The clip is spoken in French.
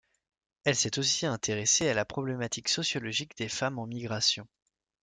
Elle s'est aussi intéressée à la problématique sociologique des femmes en migration.